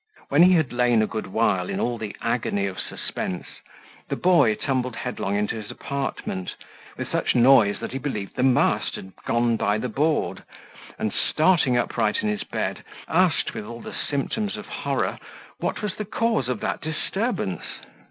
When he had lain a good while in all the agony of suspense, the boy tumbled headlong into his apartment, with such noise, that he believed the mast had gone by the board; and starting upright in his bed, asked, with all the symptoms of horror, what was the cause of that disturbance?